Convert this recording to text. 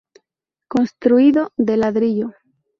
Construido de ladrillo.